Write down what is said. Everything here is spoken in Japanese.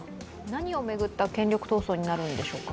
何を巡った権力闘争になるんでしょうか？